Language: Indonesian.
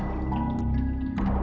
iya tunggu sebentar